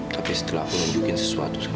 tapi setelah aku nunjukin sesuatu sama kamu